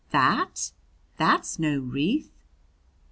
"That! That's no wreath."